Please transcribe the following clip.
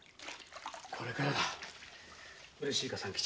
これからだうれしいか三吉。